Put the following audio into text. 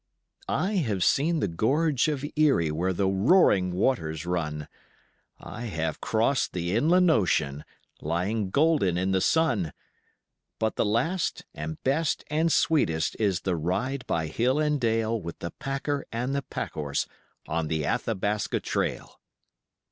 I have seen the gorge of Erie where the roaring waters run, I have crossed the Inland Ocean, lying golden in the sun, But the last and best and sweetest is the ride by hill and dale With the packer and the packhorse on the Athabasca Trail.